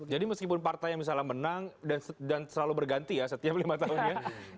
jadi meskipun partai yang misalnya menang dan selalu berganti ya setiap lima tahunnya